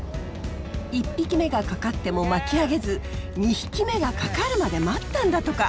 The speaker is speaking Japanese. １匹目がかかっても巻き上げず２匹目がかかるまで待ったんだとか。